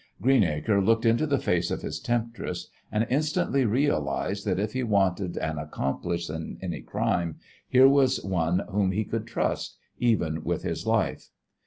Greenacre looked into the face of his temptress, and instantly realized that if he wanted an accomplice in any crime here was one whom he could trust, even with his life.